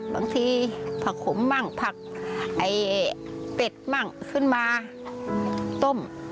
บางทีผักขมมั่งผักไอ้เป็ดมั่งขึ้นมาต้ม